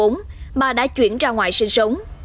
mà đã chuyển ra ngoài sinh sống